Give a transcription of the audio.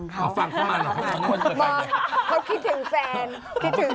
จริงไปหาทึ่งเมื่อนี้ลิงจ์